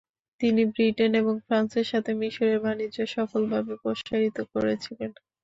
তিনি ব্রিটেন এবং ফ্রান্সের সাথে মিশরের বাণিজ্য সফলভাবে প্রসারিত করেছিলেন।